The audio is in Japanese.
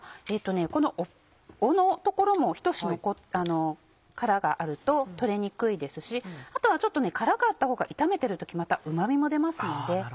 この尾のところも１節殻があると取れにくいですしあとはちょっと殻があったほうが炒めてる時うま味も出ますので。